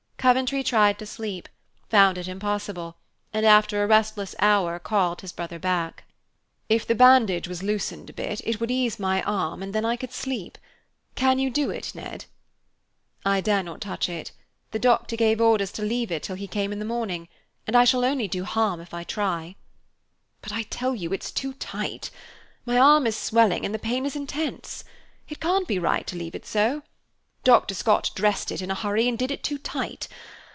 Coventry tried to sleep, found it impossible, and after a restless hour called his brother back. "If the bandage was loosened a bit, it would ease my arm and then I could sleep. Can you do it, Ned?" "I dare not touch it. The doctor gave orders to leave it till he came in the morning, and I shall only do harm if I try." "But I tell you it's too tight. My arm is swelling and the pain is intense. It can't be right to leave it so. Dr. Scott dressed it in a hurry and did it too tight.